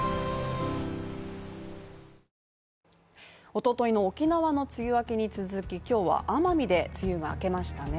おとといの沖縄の梅雨明けに続き、今日は奄美で梅雨が明けましたね。